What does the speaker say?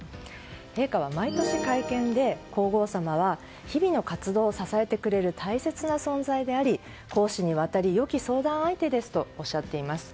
陛下は毎年、会見で皇后さまは日々の活動を支えてくれる大切な存在であり公私にわたり良き相談相手ですとおっしゃっています。